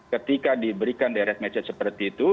ketika diberikan direct message seperti itu